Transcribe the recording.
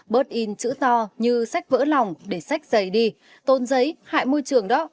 bớt in chữ to như sách vỡ lòng để sách dày đi tôn giấy hại môi trường đó